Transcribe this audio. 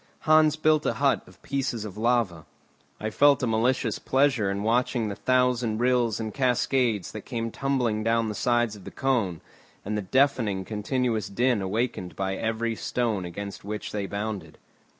Hans built a hut of pieces of lava. I felt a malicious pleasure in watching the thousand rills and cascades that came tumbling down the sides of the cone, and the deafening continuous din awaked by every stone against which they bounded.